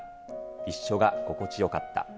一緒が、心地よかった。